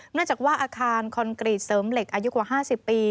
เนื่องจากว่าอาคารคอนกรีตเสริมเหล็กอายุกว่า๕๐ปี